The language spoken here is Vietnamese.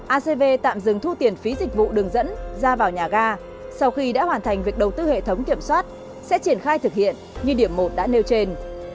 acv tạm dừng thu tiền phí dịch vụ đường dẫn ra vào nhà ga sau khi đã hoàn thành việc đầu tư hệ thống kiểm soát sẽ triển khai thực hiện như điểm một đã nêu trên